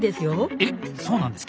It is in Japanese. えっそうなんですか？